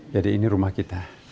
jadi ini rumah kita